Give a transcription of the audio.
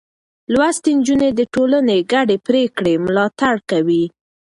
لوستې نجونې د ټولنې ګډې پرېکړې ملاتړ کوي.